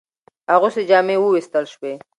اغوستي جامې ووېستل شوې.